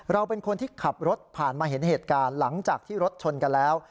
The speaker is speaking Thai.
เราเป็นคนที่ขับรถผ่านมาเห็นเหตุการณ์หลังจากที่รถชนกันแล้ว